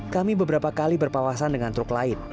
kami beberapa kali berpawasan dengan truk lain